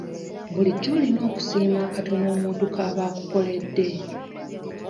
Bulijjo olina okusiima akatono omuntu kaaba akukoledde.